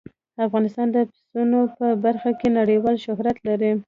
افغانستان د پسونو په برخه کې نړیوال شهرت لري.